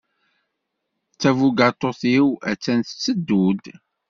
Tabugaṭut-iw attan tetteddu-d.